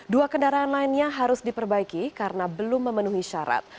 dua kendaraan lainnya harus diperbaiki karena belum memenuhi syarat